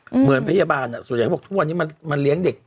เหมือนพยาบาลอ่ะส่วนใหญ่เขาบอกทุกวันนี้มันเลี้ยงเด็ก